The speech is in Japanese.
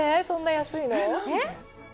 そんな安いの？